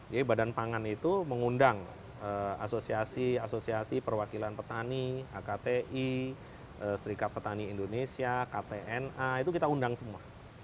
jadi badan pangan itu mengundang asosiasi asosiasi perwakilan petani akti serikat petani indonesia ktna itu kita undang semua